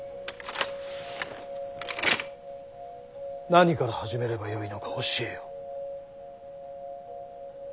何から始めればよいのか教えよ。